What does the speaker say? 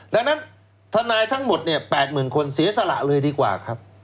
ดังนั้นทนายทั้งหมดเนี่ย๘๐๐๐คนเสียสละเลยดีกว่าครับ